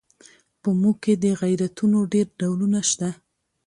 په موږ کې د غیرتونو ډېر ډولونه شته.